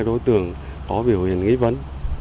đi mỗi lá phiếu của ngư dân